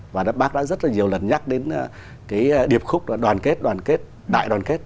và bác đã rất là nhiều lần nhắc đến cái điệp khúc là đoàn kết đoàn kết đại đoàn kết